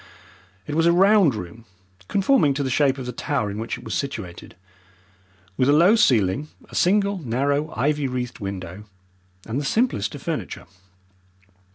It was a round room, conforming to the shape of the tower in which it was situated, with a low ceiling, a single narrow, ivy wreathed window, and the simplest of furniture.